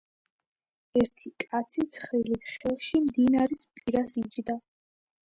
ერთი კაცი ცხრილით ხელში მდინარისა პირას იჯდა.